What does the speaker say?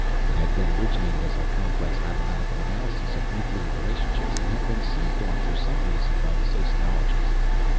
It had been originated as a complex mathematical analysis of nuclear relationships, and had been seized on for some reason by the sociologists.